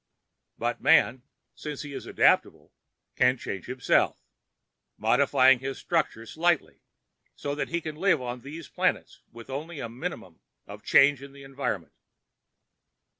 "But man, since he is adaptable, can change himself—modify his structure slightly—so that he can live on these planets with only a minimum of change in the environment."